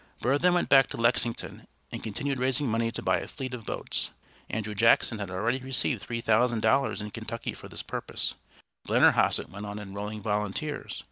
Burr then went back to Lexington, and continued raising money to buy a fleet of boats. Andrew Jackson had already received three thousand dollars in Kentucky for this purpose. Blennerhassett went on enrolling volunteers.